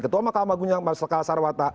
ketua mahkamah agung yang masakal sarwata